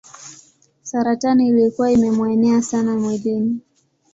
Saratani ilikuwa imemuenea sana mwilini.